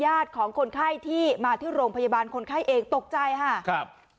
ของคนไข้ที่มาที่โรงพยาบาลคนไข้เองตกใจค่ะครับ